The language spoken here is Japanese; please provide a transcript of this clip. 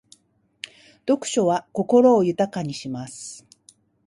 読書は心を豊かにします。